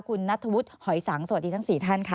คุณนัทธวุฒิหอยสังสวัสดีทั้ง๔ท่านค่ะ